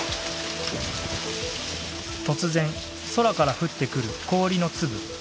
突然空から降ってくる氷の粒ひょう。